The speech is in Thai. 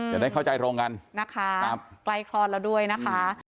จะได้เข้าใจตรงกันนะคะใกล้คลอดแล้วด้วยนะคะ